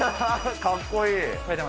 かっこいい。